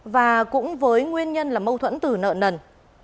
và cũng với nguyên nhân là mâu thuẫn từ nợ nần